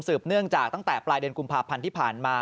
เนื่องจากตั้งแต่ปลายเดือนกุมภาพันธ์ที่ผ่านมา